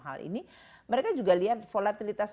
hal ini mereka juga lihat volatilitas